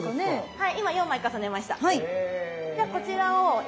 はい。